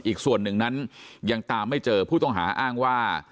อีกส่วนหนึ่งนั้นยังตามไม่เจอผู้ต้องหาอ้างว่า